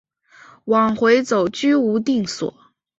往回走居无定所